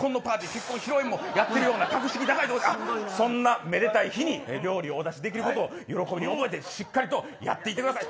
結婚披露宴もやっているような格式高い、そんなめでたい日に料理をお出しできると喜びを覚えてしっかりやっていってください